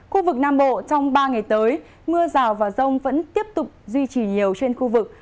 khu vực nam bộ trong ba ngày tới mưa rào và rông vẫn tiếp tục duy trì nhiều trên khu vực